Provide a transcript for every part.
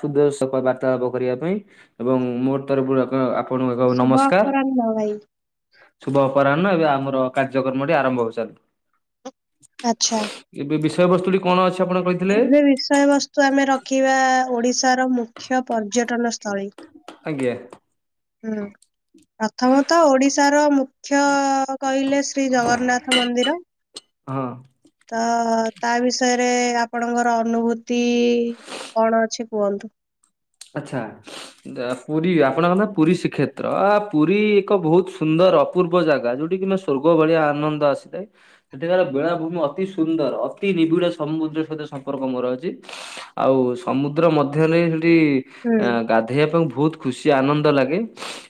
ସୁଦଶ ବାର୍ତ୍ତାଳାପ କରିବା ପାଇଁ ଏବଂ ମୋ ତରଫରୁ ଆପ ଣ ଆପ ଆପଣଙ୍କୁ, ଶୁଭ ନମସ୍କାର। ଅପରାହ୍ନ ଭାଇ। ଶୁଭ ଅପରାହ୍ନ, ଏବେ ଆମର କାର୍ଯ୍ୟକ୍ରମଟି ଆରମ୍ଭ ହେଇ ଚାଲୁ ଆଛା। ଏବେ ବିଷୟବସ୍ତୁଟି କଣ ଅଛି ଆପଣ କହିଲେ? ଏବେ ବିଷୟ ବସ୍ତୁ ଆମେ ରଖିବ ଓଡିଶାର ମୁଖ୍ୟ, ପର୍ଯ୍ୟଟନ ସ୍ଥଳୀ। ଆଜ୍ଞା। ହୁଁ ପ୍ରଥମତଃ ଓଡିଶାର ମୁଖ୍ୟ କହିଲେ ଶ୍ରୀ ଜଗନ୍ନାଥ ମନ୍ଦିର। ହଁ। ତ, ତା ବିଷୟରେ ଆପଣଙ୍କର ଅନୁଭୂତି କଣ ଅଛି କୁହନ୍ତୁ? ଆଚ୍ଛା ପୁରୀ ଆପଣଙ୍କ ନାେ ପୁରୀ ଶ୍ରୀକ୍ଷେତ୍ର ଆ ପୁରୀ ଏକ ବହୁତ ସୁନ୍ଦର ଅପୂର୍ବ ଜାଗା ଯୋଉଠି କି ସ୍ଵର୍ଗ ଭଳିଆ ଆନନ୍ଦ ଆସିଥାଏ। ସେଠିିକାର ବେଳାଭୂମି ଅତି ସୁନ୍ଦର ଅତି ନିବିଡ଼ ସମୁଦ୍ର ସହିତ ସମ୍ପର୍କ ମୋର ଅଛି। ଆଉ ସମୁଦ୍ର ମଧ୍ୟରେ ଦେଇ ସେଠି ହୁଁ ଅ ଗାଧେଇବା ପାଇଁ ବହୁତ ଖୁସି ଆନନ୍ଦ ଲାଗେ।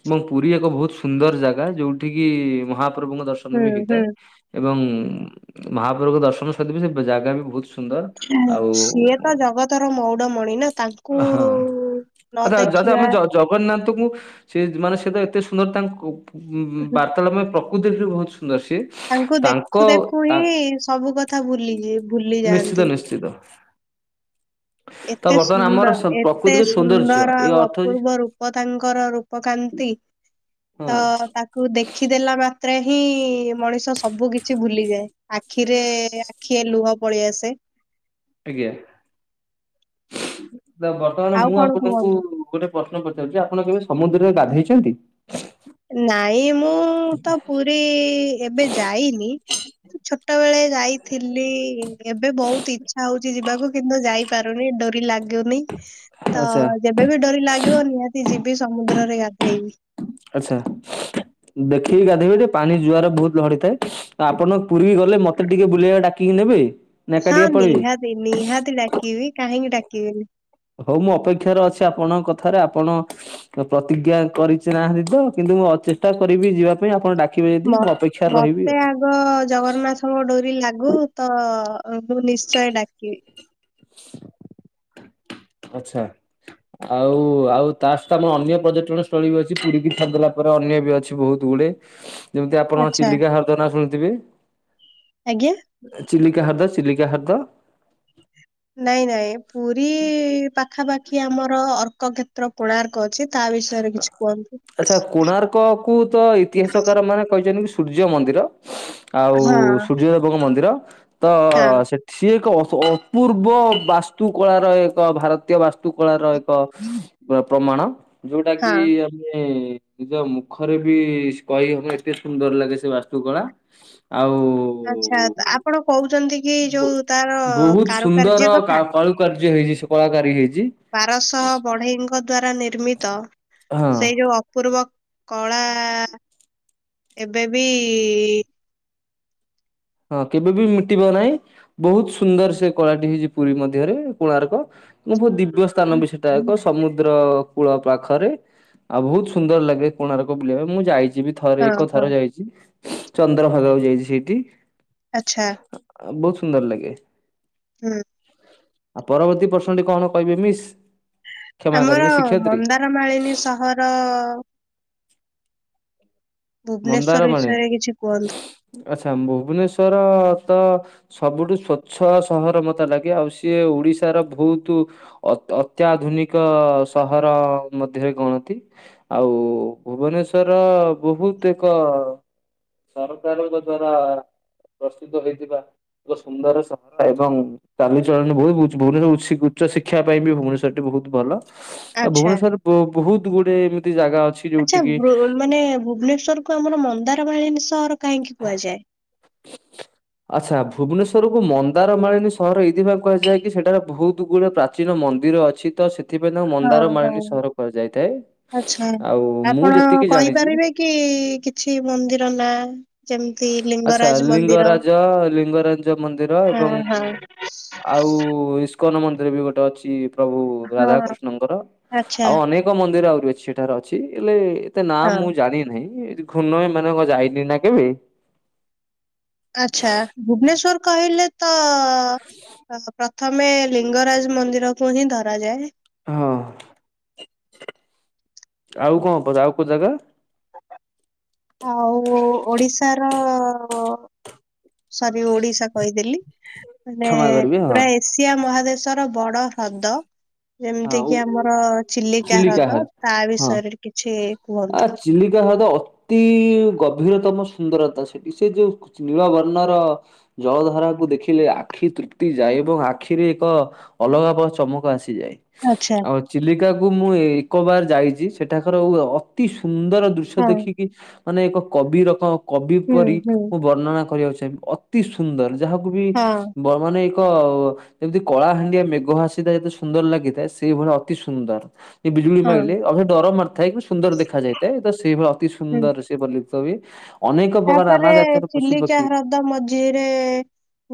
ଏବଂ ପୁରୀ ଏକ ବହୁତ ସୁନ୍ଦର ଜାଗା ଯୋଉଠ କିି ମହାପ୍ରଭୁଙ୍କ ଦର୍ଶନ ଦର୍ଶନ ହୁଁ ବି ହୁଁ ହେଇଥାଏ। ଏବଂ ମହାପ୍ରଭୁ ଦର୍ଶନ ବି ସେ ଜାଗା ବି ବହୁତ ସୁନ୍ଦର। ଆଉ ସିଏତ ଜଗତର ମଉଡମଣି ନା ତାଙ୍କୁ ହଁ। ନ ଆଚ୍ଛା ଯଦି ଦେଖିବା ଆମେ ଜଗନ୍ନାଥଙ୍କୁ ସେ ମାନେ ସେଟ ଏତେ ସୁନ୍ଦର ତାଙ୍କୁ ଉ ବାର୍ତ୍ତାଳା ପାଇଁ ପ୍ରକୃତିରେ ସିଏ ବହୁତ ସୁନ୍ଦର ସିଏ। ତାଙ୍କୁ ତାଙ୍କ ଦେଖୁ, ଦେଖୁ ତା ହିଁ ସବୁ କଥା ଭୁଲି ଯି ଭୁଲି ଯାଆନ୍ତି। ଖୁସିତ। ଏତେ ଆମର ସୁନ୍ଦର ସ ଏ ଏତେ ପ୍ରକୃତିକ ସୌନ୍ଦର୍ଯ୍ୟ ସୁନ୍ଦର ଏ ଆଉ ଅର୍ଥ ହଉଛି ଅପୂର୍ବ ରୂପ ତାଙ୍କର ରୂପ କାନ୍ତି। ହଁ ତ ତାକୁ ଦେଖିଦେଲା ମାତ୍ରେ ହିଁ ମଣିଷ ସବୁ କିଛି ଭୁଲିଯାଏ। ଆଖିରେ ଆଖିଏ ଲୁହ ପଳେଇଆସେ। ଆଜ୍ଞା ତ ବର୍ତ୍ତମାନ ଆଉ ମୁଁ କଣ ଆପଣଙ୍କୁ କୁହନ୍ତୁ? ଗୋଟେ ପ୍ରଶ୍ନ ପଚାରୁଚି ଯେ ଆପଣ କେବେ ସମୁଦ୍ରରେ ଗାଧେଇଚନ୍ତି? ନାଇଁ ମୁଁ ତ ପୁରୀ ଏବେ ଯାଇନି। ଛୋଟବେେଳେ ଯାଇଥିଲି ଏବେ ବହୁତ ଇଚ୍ଛା ହଉଛି ଯିବାକୁ। କିନ୍ତୁ ଯାଇପାରୁନି ଡୋରି ଲାଗୁନି। ତ, ଆଚ୍ଛା ଯେବେବି ଡୋରି ଲାଗିବ ନିହାତି ଯିବି ସମୁଦ୍ରରେ ଗାଧେଇବି। ଆଚ୍ଛା ଦେଖିକି ଗାଧୋଇବେ, ଯେ ପାଣି ଜୁଆର ବହୁତ ଲହଡି ଥାଏ। ତ ଆପଣ ପୁରୀ ଗଲେ ମତେ ଟିକେ ବୁଲେଇବା ଡାକିକି ନେବେ? ନା ହଁ ଏକାଟିଆ ପଳେଇବେ? ନିହାତି, ନିହାତି ଡାକିବି କାହିଁକି ଡାକିବିନି। ହଉ ମୁଁ ଅପେକ୍ଷାରେ ଅଛି ଆପଣଙ୍କ କଥାରେ। ଆପଣ ପ୍ରତିଜ୍ଞା କରି ନାହାନ୍ତି ତ କିନ୍ତୁ ମୁଁ ଅଚେତା କରିବି ଯିବା ପାଇଁ ଆପଣ ଡାକିବେ ଯଦି ମୁଁ ଅପେକ୍ଷାରେ ରହିବି ଆଉ। ତ ଜଗନ୍ନାଥଙ୍କ ଡୋରି ଲାଗୁ ତ ମୁଁ ନିଶ୍ଚୟ ଡାକିବି। ଆଛା। ଆଉ ଆଉ ତା ସହିତ ଆମର ଅନ୍ୟ ପର୍ଯ୍ୟଟନ ସ୍ଥଳୀ ବି ଅଛି ପୁରୀକି ଛାଡିଦେଲା ପରେ ଅନ୍ୟ ବି ଅଛି ବହୁତ ଗୁଡେ। ଯେମିତି ଆପଣ ଆଚ୍ଛା ଚିଲିକା ହ୍ରଦ ନା ଶୁଣିୁଥିବେ। ଆଜ୍ଞା। ଚିଲିକା ହ୍ରଦ ଚିଲିକା ହ୍ରଦ। ନାଇଁ ନାଇଁ ପୁରୀ ପାଖାପାଖି ଆମର ଅର୍କ ଖେ ତ୍ର କୋଣାର୍କ ଅଛି ତା ବିଷୟରେ କିଛି କୁହନ୍ତୁ। ଆଚ୍ଛା କୋଣାର୍କ କୁ ତ ଇତିହାସକାର ମାନେ କହିଛନ୍ତି କି ସୁ ସୂର୍ଯ୍ୟ ମନ୍ଦିର ଆଉ ହଁ ସୂର୍ଯ୍ୟଦେବଙ୍କ ମନ୍ଦିର ତ ହଁ ସେ ସିଏ ଏକ ଅସ ଅପୂର୍ବ ବାସ୍ତୁକଳାର ଏକ ଭାରତୀୟ ବାସ୍ତୁକଳାର ଏ ଏକ ପ ପ୍ରମାଣ ଯୋଉଟା ହଁ। କି କି ନିଜ ମୁଖରେ ବି କହି ହବ ଏତେ ସୁନ୍ଦର ଲାଗେ ସେ ବାସ୍ତୁକଳା। ଆଉ ଆଚ୍ଛା ଓ ତ ଆପଣ କହୁଛନ୍ତି କି ବୋ ଯୋଉ ତାର ବୋହୁତ କାରୁକାର୍ଯ୍ୟ ସୁନ୍ଦର କା କଥା। କଳୁକାର୍ଯ୍ୟ ହେଇଛି ସେ କଳାକାରୀ ହେଇଛି। ବାରଶହ ବଢେଇଙ୍କ ଦ୍ଵାରା ନିର୍ମିତ ହଁ। ସେଇ ଯୋଉ ଅପୂର୍ବ କଳା ଏବେବି ହଁ କେବେ ବି ମିଟିବ ନାହିଁ। ବହୁତ ସୁନ୍ଦର ସେ କଳାଟି ହେଇଛି ପୁରୀ ମଧ୍ୟରେ କୋଣାର୍କ ମୁଁ ବହୁ ଦି ବ୳ ସ୍ଥାନ ବି ସେଟା ଏକ ସମୁଦ୍ର ଦ୍ର କୂଳ ପାଖରେ ଆଉ ବହୁତ ସୁନ୍ଦର ଲାଗେ କୋଣାର୍କ ବୁଲିବା ପାଇଁ ମୁଁ ଯାଇଚି ବି। ଥରେ ହଁ ଏକ ହଁ ଥର ଯାଇଛି ଚନ୍ଦ୍ରଭାଗାକୁ ଯାଇଛି ସେଇଟି। ଆଛା। ଆ ବୋହୁତ ସୁନ୍ଦର ଲାଗେ। ହୁଁ। ଆଉ ପରବର୍ତ୍ତୀ ପ୍ରଶ୍ନ ଟି କଣ କହିବେ ମିସ୍। କ୍ଷମା ଆମର କରିବେ ଶିକ୍ଷୟତ୍ରୀ ମନ୍ଦାରମାଳିନୀ ସହର। ମନ୍ଦାର ଭୁବନେଶ୍ଵର ମାଳିନୀ। ବିଷୟରେ କିଛି କୁହନ୍ତୁ? ଆଚ୍ଛା, ଭୁବନେଶ୍ଵର ତ ସବୁଠୁ ସ୍ଵଚ୍ଛ ସହର ମୋତେ ଲାଗେ। ଆଉ ସିଏ ଓଡିଶାର ଭଉତୁ ଅତ ଅତ୍ୟାଧୁନିକ ସହର ମଧ୍ୟରେ ଗଣତି। ଆଉ ଭୁବନେଶ୍ଵର ବହୁତ ଏକ ସରକାରଙ୍କ ଦ୍ଵାରା ପ୍ରସ୍ତୁତ ହେଇଥିବା ଏକ ସୁନ୍ଦର ସହର। ଏବଂ ଚାଲିଚଳନ [unintelligible] ଭୁବନେଶ୍ୱର ଉସି ଉଚ୍ଚଶିକ୍ଷା ପାଇଁ ବି ଭୁବନେଶ୍ୱର ଟି ବହୁତ ଭଲ। ଆଉ ଆଚ୍ଛା ଭୁବନେଶ୍ଵରରେ ବ- ବହୁତ ଗୁଡେ ଏମିତି ଜାଗା ଅଛି ଆଚ୍ଛା ଯୋଉଠି କିି ବୃ ମାନେ ଭୁବନେଶ୍ଵର କୁ ଆମର ମନ୍ଦାରମାଳିନୀ ସହର କାହିଁକି କୁହାଯାଏ? ଆଚ୍ଛା, ଭୁବନେଶ୍ୱରକୁୁ ମନ୍ଦାରମାଳିନୀ ସହର ଏଇଥିପାଇଁ କୁହାଯାଏ କି, ସେଟାରେ ବହୁତୁ ଗୁଡେ ପ୍ରା ଚୀନ ମନ୍ଦିର ଅଛି ତ ସେ ଥିପାଇଁ ତାକୁ ହଁ ମନ୍ଦାର ହଁ ମାଳିନୀ ସହର କୁହାଯାଇଥାଏ। ଆଚ୍ଛା। ଆଉ ମୁଁ ଆପଣ ଯେତିକି ଜାଣିଚି କହିପାରିବେ କି କିଛି ମନ୍ଦିର ନାଁ? ଯେମିତି ଲିଙ୍ଗ ଆଚ୍ଛା, ଲିଙ୍ଗରାଜ ଲିଙ୍ଗରାଜ ମନ୍ଦିର ହଁ ଏବଂ ହଁ ଆଉ ଇସ୍କନ୍ ମନ୍ଦିର ବି ଗୋଟେ ଅଛି ପ୍ରଭୁ ହଁ ରାଧାକୃଷ୍ଣଙ୍କର। ଆଚ୍ଛା ଆଉ ଅନେକ [unintelligible] ମନ୍ଦିର ଆହୁରି ଅଛି ସେଠାର ଅଛି, ହେଲେ ଏତେ ନାଁ ହଁ ମୁଁ ଜାଣି ନାହିଁ। ରି ଖୁନ ମାନେ ମୁଁ ଯାଇନି ନା କେବେ। ଆଚ୍ଛା ଭୁବନେଶ୍ଵର କହିଲେ ତ ଅ, ପ୍ର ଥମେ ଲିଙ୍ଗରାଜ ମନ୍ଦିର କୁ ହିଁ ଧରାଯାଏ। ହଁ ଆଉ କଣ ପଚା ଆଉ କୋଉ ଜାଗା? ଆଉ ଓଡିଶା ର ସରି ଓଡିଶା କହିଦେଲି। ମାନେ କ୍ଷମା କରିବେ ହଁ। ପୁରା ଏସିଆ ମହାଦେଶର ବଡ ହ୍ରଦ। ହଁ ଯେମିତି ଉ କିି ଆମର ଚିଲିକା ହ୍ରଦ ତା ହଁ ବିଷୟରେ କିଛି ଆ କୁହନ୍ତୁ। ଚିଲିକା ହ୍ରଦ ତି ଗଭୀରତମ ସୁନ୍ଦରତା ସେଠି ସେ ଯୋଉ କଚ୍ ନୀଳବର୍ଣ୍ଣର ଜଳ ଧାରାକୁ ଦେଖିଲେ ଆଖି ତୃପ୍ତି ଯାଏ ଏବଂ ଆଖିରେ ଏକ ଅଲଗା ପର ଚମକ ଆସିଯାଏ। ଆଚ୍ଛା। ଓ ଚିଲିକାକୁୁ ମୁଁ ଏକ ବାର ଯାଇଚି, ସେଠାକାର ଓ ଅତି ସୁନ୍ଦର ଦୃଶ୍ୟ ହଁ ଦେଖି କି ମାନେ ଏକ କବିରକ କବି ହୁଁ ପରି ହୁଁ ମୁଁ ବର୍ଣ୍ଣନା କରିବାକୁ ଚାହିଁବି ଅ ଅତି ସୁନ୍ଦର ଯାହାକୁ ବି ହଁ ବର୍ ମାନେ ଏକ ଯେମିତି କଳାହାଣ୍ଡିଆ ମେଘ ଆସିଥାଏ ଯେତେ ସୁନ୍ଦର ଲାଗି ତେ ସେଇଭଳିଆ ଅତି ସୁନ୍ଦର। ଏ ବିଜୁଳି ହଁ ମାଇଲେ ଅହ ଡର ମାରଥାଏ, କିନ୍ତ ସୁନ୍ଦର ଦେଖାଯାଇଥାଏ, ତ ସେଇଭଳିଆ ଅତି ହୁଁ। ସୁନ୍ଦର ସେ ବଲ୍ୟୁ ସବି ତାପରେ ଚିଲିକା ହ୍ରଦ ମଝିରେ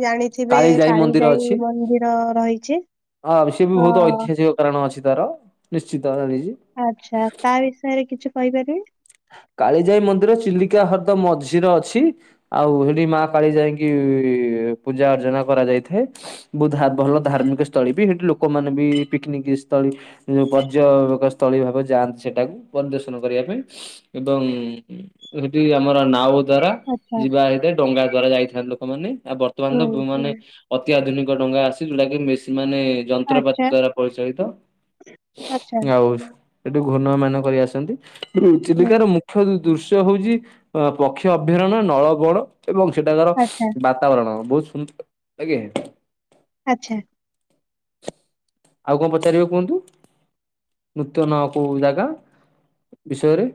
ଜାଣିଥିବେ ମନ୍ଦିର କାଳିଜାଇ ଅଛି। ମନ୍ଦିର ରହିଛି ହଁ। ଇଏ କାରଣ ଅଛି ତାର ନିଶ୍ଚିତ ଜଣିଚି। ଆଚ୍ଛା ତା ବିଷୟରେ କିଛି କହିପାରିବେ? କାଳିଜାଇ ମନ୍ଦିର ଚିଲିକା ହ୍ରଦ ମଝିର ଅଛି। ଆଉ ସେଠି ମା କାଳିଜାଇଙ୍କି ପୂଜା ଅର୍ଚ୍ଚନା କରାଯାଇଥାଏ। ବୁଧା ଭଲ ଧାର୍ମିକ ସ୍ଥଳୀ ବି ସେଠି ଲୋକମାନେ ବି ପିକନିକ ସ୍ଥଳୀ ଯୋଉ ପର୍ଯ୍ୟଟକ ସ୍ଥଳୀ ଭାବେ ଯାଆନ୍ତି ସେଟାକୁ ପରିଦର୍ଶନ କରିବା ପାଇଁ। ଏବଂ ସେଠି ଆମର ନାଓ ଦ୍ଵାରା ଆଚ୍ଛା ଯିବା। [unintelligible] ଡଙ୍ଗା ଦ୍ଵାରା ଯାଇଥାନ୍ତି ଲୋକମାନେ। ଆଉ ହୁଁ ବର୍ତ୍ତମାନ ବୁ ମାନେ ହୁଁ ଅତି ଆଧୁନିକ ଡଙ୍ଗା ଆସି ଯଉଟାକି ମେସି ମାନେ ଯନ୍ତ୍ରପାତି ଆଚ୍ଛା ଦ୍ଵାରା ପରିଚାଳିତ। ଆଚ୍ଛା ଆଉ ସେଠୁ ଘୂର୍ଣୟ ମାନ କରି ଆସନ୍ତି। ହୁଁ ଚିଲିକାର ମୁ ଖ୍ୟ ଦୃଶ୍ୟ ହଉଚି ଅ ପକ୍ଷ ଅଭୟାରଣ୍ୟ, ନଳବଣ ଏବଂ ସେଠାକାର ଆଚ୍ଛା ବା ବାତାବରଣ, ବହୁତ ସୁନ୍ଦର ଲାଗେ। ଆଚ୍ଛା। ଆଉ କଣ ପଚାରିବେ କୁହନ୍ତୁ? ନୂତନ କୋଉ ଜାଗା ବିଷୟରେ।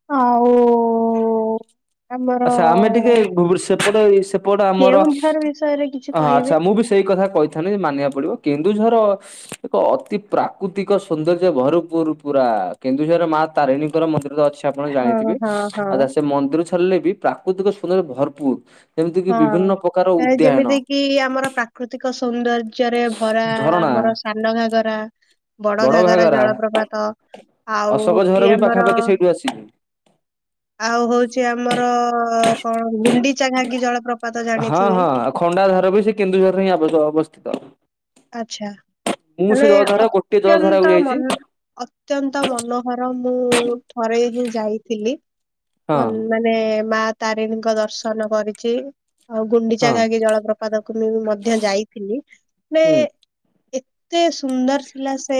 ଆଉ ଆମର ଆଚ୍ଛା, ଆମେ ଟିକେ ସେପଟେ ଏଇ ସେ ସେପଟ ଆମର କେଉଁଝର ବିଷୟରେ କିଛି କହିବେ? ଆଚ୍ଛା ମୁଁ ବି ସେଇ କଥା କହିଥାନ୍ତି ମାନିବାକୁ ପଡିବ କେନ୍ଦୁଝର ଏକ ଅତି ପ୍ରାକୃତିକ ସୌନ୍ଦର୍ଯ୍ୟ ଭରପୁର ପୁରା କେନ୍ଦୁଝରରେ ମା ତାରିଣୀଙ୍କର ମନ୍ଦିର ତ ଅଛି। ଆପଣ ହଁ ଜାଣିଥିବେ। ହଁ ହଁ। ଆଉ ସେ ମନ୍ଦିର ଛାଡିଲେ ବି ପ୍ରାକୃତିକ ସୁନ୍ଦର ଭରପୁର। ଏମିତିକି ବିଭିନ୍ନ ପ୍ରକାର ଉଦ୍ୟାନ କି ଆମର ପ୍ରାକୃତିକ ସୌନ୍ଦର୍ଯ୍ୟରେ ଭରା ଝରଣା ଆମର ସାନ ଘାଗରା। ବଡ ଘାଗରା ଜଳପ୍ରପାତ। ଆଉ ଅଶୋକ ଝର ହଉଚି ବି ଆମର ପାଖାପାଖି ସେଇଠୁ ଆସିଛି। ଆଉ ହଉଚି ଆମର କଣ ଗୁଣ୍ଡିଚା ଘାଗି ଜଳପ୍ର ହଁ ହଁ ଖଣ୍ଡାଧାର ବି ସେ କେନ୍ଦୁଝରରେ ହିଁ ଅବସ୍ଥିତ। ଆଚ୍ଛା। ମୁଁ ସେ ତାହେଲେ ମାନେ ଜଳଧାରା ଗୋଟିଏ ଜଳଧାରାକୁ ଅତ୍ୟନ୍ତ ଯାଇଛି ମନ ଅ ଅତ୍ୟନ୍ତ ମନୋହର ମୁଁ ଥରେ ହିଁ ଯାଇଥିଲି। ହଁ ମାନେ ମା ତାରିଣୀଙ୍କ ଦର୍ଶନ କରିଚି। ଆଉ ଗୁଣ୍ଡିଚା ହଁ ଘାଗି ଜଳପ୍ରପାତକୁ ମୁଁ ମଧ୍ୟ ଯାଇଥିଲି। ଏ ହୁଁ ଏତେ ସୁନ୍ଦର ଥିଲା ସେ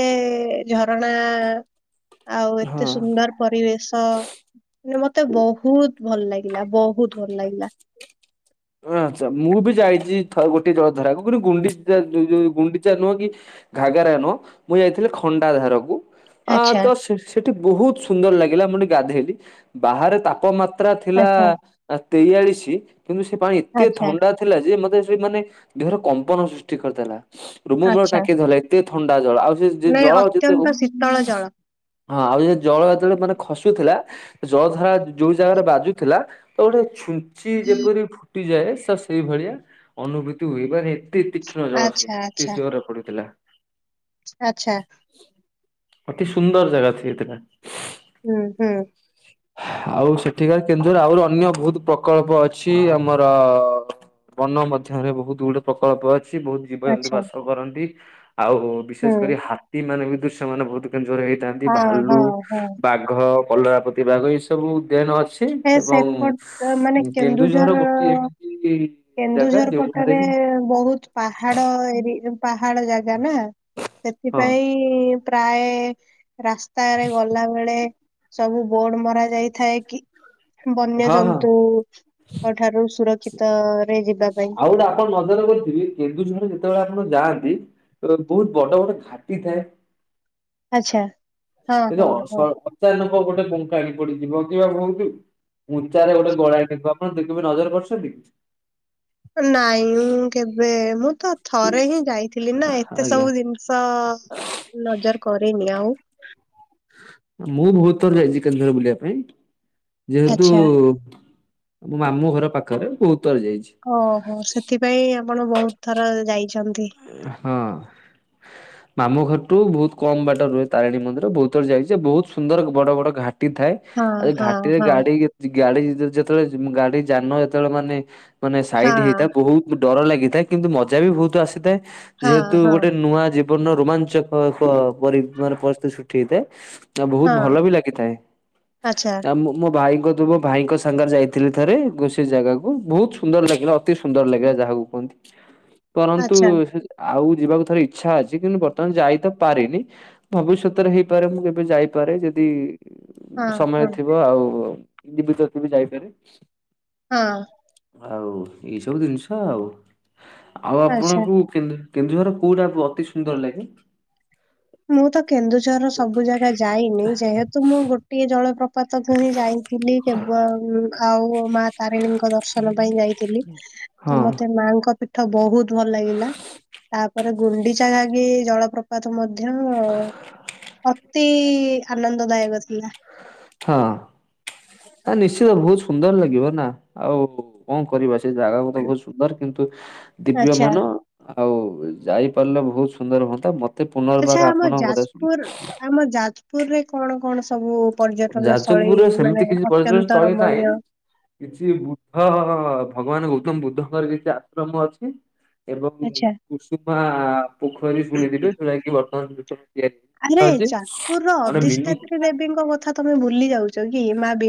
ଝରଣା ଆଉ ଏତେ ହଁ। ସୁନ୍ଦର ପରିବେଶ, ମାନେ ମତେ ବହୁତ୍ ଭଲ ଲାଗିଲା, ବହୁତ୍ ଭଲ ଲାଗିଲା। [inaudible] ଅଁ ଆଚ୍ଛା। ମୁଁ ବି ଯାଇଚି ଥ ଗୋଟେ ଜଳଧାରାକୁ କିନ୍ତୁ ଗୁଣ୍ଡିଚା ଯୋଉ ଗୁଣ୍ଡିଚା ନୁହଁ କି ଘାଗରା ନୁହଁ। ମୁଁ ଯାଇଥିଲି ଖଣ୍ଡାଧାରକୁ। ଆ ଆଚ୍ଛା। ତ ସେ ସେଠି ବହୁତ ସୁନ୍ଦର ଲାଗିଲା ମୁଁ ସେଠି ଗାଧେଇଲି। ବାହାରେ ତାପମା ତ୍ରା ଥିଲା ଆଚ୍ଛା ତେୟାଳିଶ, କିନ୍ତୁ ସେ ପାଣି ଏତେ ଆଚ୍ଛା ଥଣ୍ଡା ଥିଲା ଯେ ମତେ ସେ ମାନେ ଦେହର କମ୍ପନ ସୃଷ୍ଟି କରିଦେଲା। ରୁମ ମୂଳ ଆଚ୍ଛା ଟାଙ୍କି ଧରିଲା। ଏତେ ଥଣ୍ଡା ଜଳ, ଆଉ ସେ ମାନେ ଜଳ। ଅତ୍ୟନ୍ତ ଶୀତଳ ଜଳ। [unintelligible] ହଁ। ଆଉ ହେ ଜଳ ଯେତେବେଳେ ମାନେ ଖସୁଥିଲା ଜଳ ଧାରା ଯଉ ଜାଗାରେ ବାଜୁଥିଲା ତ ଗଟେ ଛୁ ଞ୍ଚି ଯେପରି ଫୁଟିଯାଏ ତ, ସେଇଭଳିଆ ଅନୁଭୂତି ହୁଏ। ମାନେ ଏ ତେ ତୀକ୍ଷ୍ଣ ଜଳ ସେ। ଆଚ୍ଛା ଏତେ ଆଚ୍ଛା ଜୋରରେ ପଡୁଥିଲା। ଆଚ୍ଛା। ଅତି ସୁନ୍ଦର ଜାଗା ସେ ଥିଲା। ହୁଁ ହୁଁ। ଆଉ ସେଠିକାର କେନ୍ଦୁଝର ଆହୁରି ଅନ୍ୟ ବହୁତ ପ୍ରକଳ୍ପ ଅଛି। ଆମର ବନ ମଧ୍ୟରେ ବହୁତ ଗୁଡେ ପ୍ରକଳ୍ପ ଅ ଛି ବହୁତ ଜୀବଜନ୍ତୁ ଆଚ୍ଛା ବାସ କରନ୍ତି। ଆଉ ବିଶେଷ କରି ହୁଁ। ହା ତି ମାନେ ବି ଦୁସେ ମାନେ ବହୁତ କେନ୍ଦୁଝରରେ ହେଇଥାନ୍ତି ହଁ ଭାଲୁ ହଁ ହଁ ବାଘ କଲରା ପ ଦେବାଗ ଏ ସବୁ ଉଦ୍ୟାନ ଅଛି ସେ ଏବଂ ସେପଟ ମାନେ କେନ୍ଦୁଝର ଗୋଟିଏ କି ଜାଗା କେନ୍ଦୁଝର ଯେଉଁଠାରେ ପଟରେ ବହୁତ ପାହାଡ ଏରି ପାହାଡ ଜାଗା ନା। ହଁ ସେଥିପାଇଁ ପ୍ରାୟେ ରାସ୍ତାରେ ଗଲା ବେଳେ ସବୁ ବୋର୍ଡ ମରା ଯାଇଥାଏ କି ହଁ ହଁ ବନ୍ୟଜନ୍ତୁଙ୍କ ଠାରୁ ସୁରକ୍ଷିତ ରେ ଯିବା ପାଇଁ। ଆଉ ଗୁଟେ ଆପଣ ନଜର କରିଥିବେ କେନ୍ଦୁଝର ଯେତେବେଳେ ଆପଣ ଯାଆନ୍ତି ତ ବହୁତ ବଡ ବଡ ଘାଟି ଥାଏ। ଆଚ୍ଛା। ହଁ କିନ୍ତୁ ହଁ ହ ହଁ। ସ ଅଚାନକ ଗୁଟେ ବଙ୍କାଟେ ପଡିଯିବ କିମ୍ୱା ବହୁତ୍ ଉଞ୍ଚାରେ ଗୁଟେ ଗଳାଟେ କୁ ଆପଣ ଦେଖି କେବେ ନଜର କରିଛନ୍ତି? ନାଇଁ କେବେ ମୁଁ ତ ଥରେ ହିଁ ଯାଇଥିଲି ନା ଏତେ ଆଜ୍ଞା ସବୁ ଜିନିଷ ନଜର କରିନି ଆଉ। ମୁଁ ବହୁତ ଥର ଯାଇଚି କେନ୍ଦୁଝର ବୁଲିବା ପାଇଁ ଯେହେତୁ ଆଚ୍ଛା। ମୋ ମାମୁଁ ଘର ପାଖରେ ବହୁତଥର ଯାଇଚି। ଓହୋ ସେଥିପାଇଁ ଆପଣ ବହୁତ ଥର ଯାଇଛନ୍ତି। ହଁ। ମାମୁଁ ଘରଠୁ ବହୁତ କମ ବାଟ ରୁହେ ତାରିଣୀ ମନ୍ଦିର ବହୁତ ଥର ଯାଇଚି ବହୁତ ସୁନ୍ଦର ବଡ ବଡ ଘାଟି ଥାଏ। ହଁ ଆ ହଁ ଘାଟିରେ ହଁ ଗାଡି କେ ଗାଡି ଯେତେବେଳେ ଗାଡି ଯାନ ଯେତେବେଳେ ମାନେ ମାନେ ସାଇଟ୍ ହଁ। ହେଇଥାଏ ବହୁତ ଡର ଲାଗିଥାଏ କିନ୍ତୁ ମଜା ବି ବହୁତ ଆସିଥାଏ ହଁ, ଯେହେତୁ ହଁ, ଗୁଟେ ନୂଆ ଜି ସମ୍ପୂର୍ଣ ରୋମାଞ୍ଚକ ପ ପରି ମାନେ ପରିସ୍ଥିତି ସୃଷ୍ଟି ହେଇଥାଏ। ଆ ବହୁତ ହଁ, ଭଲ ବି ଲାଗିଥାଏ ଆଚ୍ଛା, ଆ ମୋ ମୋ ଭାଇଙ୍କ ତ ମୋ ଭାଇଙ୍କ ସାଙ୍ଗରେ ଯାଇଥିଲି ଥରେ ଗୋ ସେ ଜାଗାକୁୁ ବହୁତ ସୁନ୍ଦର ଲାଗିଲା ଅତି ସୁନ୍ଦର ଲାଗିଲା ଯାହାକୁ କୁହନ୍ତି। କରନ୍ତୁ ଆଚ୍ଛା, ଆଉ ଯିବାକୁ ଥରେ ଇଛା ଅଛି କିନ୍ତୁ ବର୍ତ୍ତମାନ ଯାଇ ତ ପାରିନି। ଭାବୁଚି ସତରେ ହେଇପାରେ ମୁଁ କେବେ ଯାଇପାରେ ଯଦି ହଁ, ସମୟ ହଁ, ଥିବ ଆଉ ଜିବି ତ ଯିବି ଯାଇପାରେ। ହଁ। ଆଉ ଏଇ ସବୁ ଜିନିଷ ଆଉ ଆଉ ଆଚ୍ଛା। ଆପଣଙ୍କୁ କେନ୍ଦୁ କେନ୍ଦୁଝର କଉଟା ଆପ ଅତି ସୁନ୍ଦର ଲାଗେ? ମୁଁ ତ କେନ୍ଦୁଝରର ସବୁ ଜାଗା ଯାଇନି ଯେହେତୁ ମୁଁ ଗୋଟିଏ ଜଳ ପ୍ର ପାତ ଯାଇଥିଲି କେବଳ ଆଉ ପୁଅ ମା ତାରିଣୀଙ୍କ ଦର୍ଶନ ପାଇଁ ଯାଇଥିଲି ହଁ ତ ମତେ ମାଙ୍କ ପୀଠ ବହୁତ ଭଲ ଲାଗିଲା ତାପରେ ଗୁଣ୍ଡି ଘାଗି କିି ଜଳପ୍ରପାତ ମଧ୍ୟ ଅତି ଆନନ୍ଦଦାୟକ ଥିଲା। ହଁ ଆ ନିଶ୍ଚିତ ବହୁତ ସୁନ୍ଦର ଲାଗିବ ନା। ଆଉ କଣ କରିବା ସେ ଜାଗାକୁ ତ ବହୁତ ସୁନ୍ଦର କିନ୍ତୁ ଦିବ୍ୟ ଆଚ୍ଛା, ମାନ ଆଉ ଯାଇପାରିଲେ ବହୁତ ସୁନ୍ଦର ହୁଅନ୍ତା ମତେ ପୁନର୍ବାର ଆଚ୍ଛା ଆମ ଆପଣଙ୍କ କଥା ଶୁଣି ଯାଜପୁର ଆମ ଯାଜପୁରରେ କଣ କଣ ସବୁ ପର୍ଯ୍ୟଟନସ୍ଥଳୀ ଯାଜପୁରରେ ସେମିତି ମାନେ କିଛି ପର୍ଯ୍ୟଟନ ଅତ୍ୟନ୍ତ ସ୍ଥଳୀ ନାହିଁ। ରମଣୀୟ କିଛି ବୁଦ୍ଧ ଭଗବାନ ଗୌତମ ବୁଦ୍ଧଙ୍କର କିଛି ଆଶ୍ରମ ଅଛି। ଏବଂ ଆଚ୍ଛା କୁସୁମା ପୋଖରୀ ଶୁଣଣିଥିବେ ଯେଉଟା କିି ବର୍ତ୍ତମାନ ଭିତ ଆରେ ଚାାନ୍ଦପୁର ର ମିନି ଅଧିଷ୍ଠାତ୍ରୀ ଦେବୀଙ୍କ କଥା ତମେ ଭୁଲି ଯାଉଛ। କି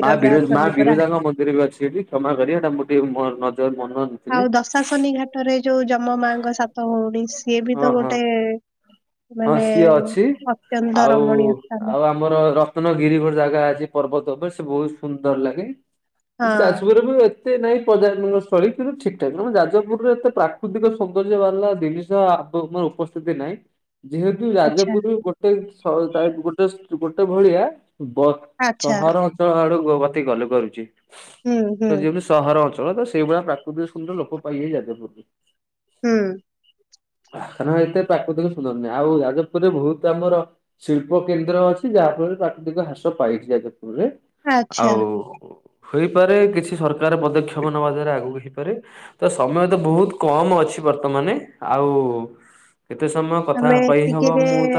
ମା ବିରଜା ମା ଅଛନ୍ତି ପରା ବିରଜାଙ୍କ ମନ୍ଦିର ବି ଅଛି ଏଠି କ୍ଷମା କରି ଏଟା ଗୋେ ନଜର ମନ ନଥିଲି। ଆଉ ଦଶାଶନି ଘାଟରେ ଯୋଉ ଯମ ମାଙ୍କ ସାତ ଭଉଣୀ ସିଏ ବି ହଁ ତ ହଁ ଗୋଟେ ହଁ ମାନେ ସିଏ ଅଛି। ଅତ୍ୟନ୍ତ ଆଉ ରମଣୀୟ ସ୍ଥାନ। ଆଉ ଆମର ରତ୍ନଗିରି ଗୋଟେ ଜାଗା ଅଛି ପର୍ବତ ଉପରେ ସେ ବହୁତ ସୁନ୍ଦର ଲାଗେ। ହଁ [unintelligible] ଏତେ ନାଇଁ ପର୍ଯ୍ୟଟନ ସ୍ଥଳୀ କିନ୍ତୁ ଠିକଠାକ ଆମ ଯାଜପୁରରେ ଏତେ ପ୍ରାକୃତିକ ସୌନ୍ଦର୍ଯ୍ୟ ବାହାରିଲା ଜିନିଷ ମୋର ଉପସ୍ଥିତି ନାଇଁ। ଯେହେତୁ ଆଚ୍ଛା ଯାଜପୁର ଗୋଟେ ସ ଗୋଟେ ଗୋଟେ ଭଳିଆ। ବ ଆଚ୍ଛା ସହର ଅଞ୍ଚଳ ଆଡୁ ଗତି କଲେ କରୁଛି ହୁଁ ହୁଁ ତ ଯେମିତି ସହର ଅଞ୍ଚଳ ତ ସେଇଭଳିଆ ପ୍ରାକୃତିକ ଶ୍ରେଣୀର ଲୋକ ପାଇ ଯାଜପୁରରେ। ହୁଁ। କାରଣ ଏତେ ପ୍ରାକୃତିକ ସୁନ୍ଦର ନୁହେଁ, ଆଉ ଯାଜପୁରରେ ବହୁତ ଆମର ଶିଳ୍ପ କେନ୍ଦ୍ର ଅଛି ଯାହାଫଳରେ ପ୍ରାକୃତିକ ହ୍ରାସ ପାଇଛି ଯାଜପୁରରେ। ଆଚ୍ଛା ଆଉ ହେଇପାରେ କିଛି ସରକାର ପଦକ୍ଷେପ ନବା ଦ୍ଵାରା ଆଗକୁ ହେଇପାରେ। ତ ସମୟ ତ ବହୁତ କମ ଅଛି ବର୍ତ୍ତମାନେ ଆଉ ଏତେ ସମୟ କଥା ଆମେ କହିହବ ଏତିକିରେ ମୁଁ ତ